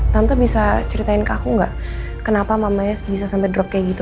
tante bisa ceritain ke aku nggak kenapa mamanya bisa sampai drop kayak gitu